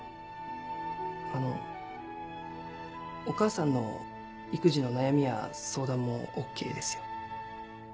あのお母さんの育児の悩みや相談もＯＫですよ